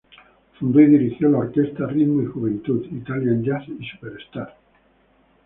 Fundó y dirigió las orquestas Ritmo y Juventud, Italian Jazz y Superstar.